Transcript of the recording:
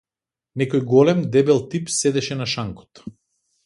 Некој голем, дебел тип седеше на шанкот.